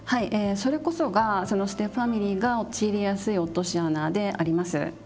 それこそがステップファミリーが陥りやすい落とし穴であります。